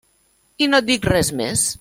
I no et dic res més.